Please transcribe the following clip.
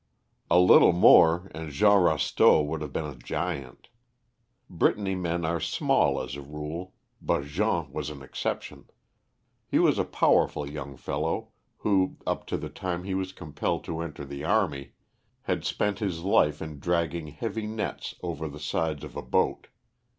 A little more and Jean Rasteaux would have been a giant. Brittany men are small as a rule, but Jean was an exception. He was a powerful young fellow who, up to the time he was compelled to enter the army, had spent his life in dragging heavy nets over the sides of a boat.